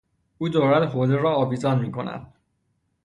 او دارد حوله را آویزان میکند.